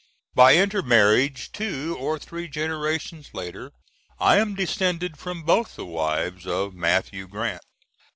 By intermarriage, two or three generations later, I am descended from both the wives of Mathew Grant.